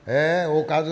おかず？